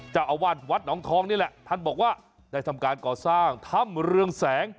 เจ้าอาวาสวัดหนองทองนี่แหละท่านบอกว่าได้ทำการก่อสร้างถ้ำเรืองแสง